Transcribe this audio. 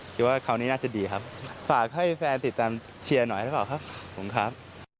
ว่าคราวนี้น่าจะดีครับฝากให้แฟนติดตามเชียร์หน่อยหรือเปล่าครับผมครับ